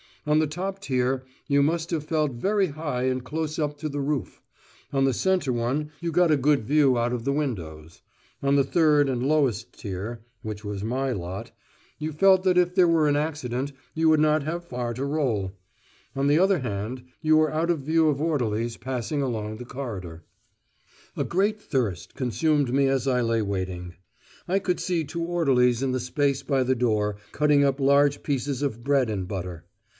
On the top tier you must have felt very high and close up to the roof; on the centre one you got a good view out of the windows; on the third and lowest tier (which was my lot) you felt that if there were an accident, you would not have far to roll; on the other hand, you were out of view of orderlies passing along the corridor. A great thirst consumed me as I lay waiting. I could see two orderlies in the space by the door cutting up large pieces of bread and butter.